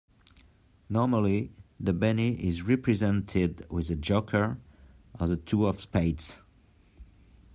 Normally, the Benny is represented with a Joker or the two of spades.